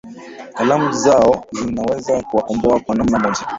kalamu zao zinaweza kuwakomboa kwa namna moja